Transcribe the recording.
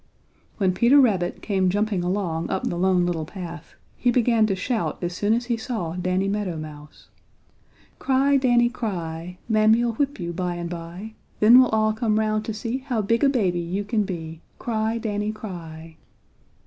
When Peter Rabbit came jumping along up the Lone Little Path he began to shout as soon as he saw Danny Meadow Mouse: "Cry, Danny, cry! Mammy'll whip you by and by! Then we'll all come 'round to see How big a baby you can be. Cry, Danny, cry!"